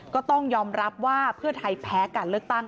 ก็ต้องยอมรับว่าเพื่อไทยแพ้การเลือกตั้ง